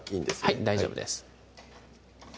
はい大丈夫です